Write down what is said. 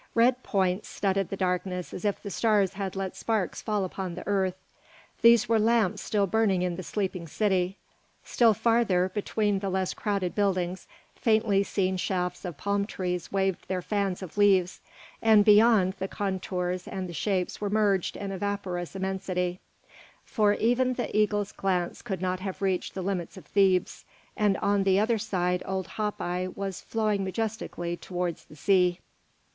Red points studded the darkness as if the stars had let sparks fall upon the earth. These were lamps still burning in the sleeping city. Still farther, between the less crowded buildings, faintly seen shafts of palm trees waved their fans of leaves; and beyond, the contours and the shapes were merged in a vaporous immensity, for even the eagle's glance could not have reached the limits of Thebes; and on the other side old Hopi was flowing majestically towards the sea.